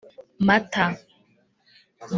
mata